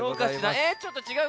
えちょっとちがう？